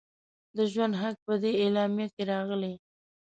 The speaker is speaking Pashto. د ژوند حق په دې اعلامیه کې راغلی.